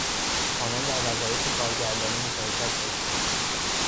آنان در وظایف کارگردانی مشارکت داشتند.